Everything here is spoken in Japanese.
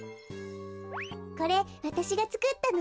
これわたしがつくったの。